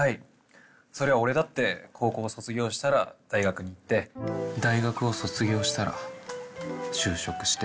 「そりゃ俺だって高校を卒業したら大学に行って大学を卒業したら就職して」。